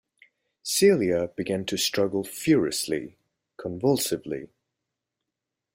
Celia began to struggle furiously, convulsively.